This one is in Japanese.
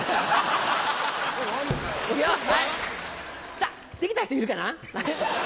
さぁできた人いるかな？